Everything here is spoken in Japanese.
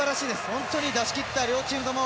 本当に出しきった、両チームとも。